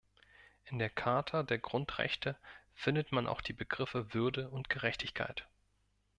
In der Charta der Grundrechte findet man auch die Begriffe Würde und Gerechtigkeit.